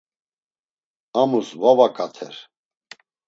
Amus va vaǩater.